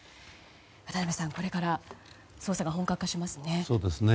渡辺さん、これから捜査が本格化しますね。